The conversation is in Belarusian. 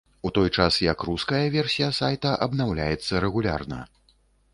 У той час як руская версія сайта абнаўляецца рэгулярна.